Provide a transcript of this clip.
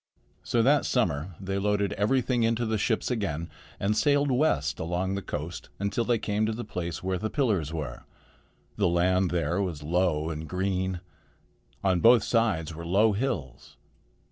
So that summer they loaded everything into the ships again and sailed west along the coast until they came to the place where the pillars were. The land there was low and green. On both sides were low hills.